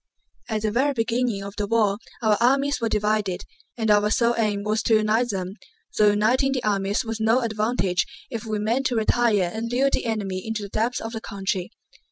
At the very beginning of the war our armies were divided, and our sole aim was to unite them, though uniting the armies was no advantage if we meant to retire and lure the enemy into the depths of the country.